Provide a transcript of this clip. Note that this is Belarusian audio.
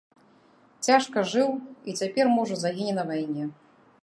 Цяжка жыў і цяпер, можа, загіне на вайне.